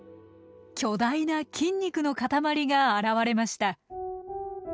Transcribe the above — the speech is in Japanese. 巨大な筋肉の塊が現れました。